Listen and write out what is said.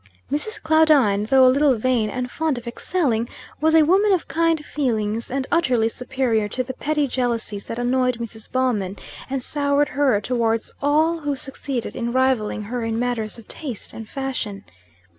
Mrs. Claudine, though a little vain, and fond of excelling, was a woman of kind feelings, and entirely superior to the petty jealousies that annoyed Mrs. Ballman, and soured her towards all who succeeded in rivalling her in matters of taste and fashion.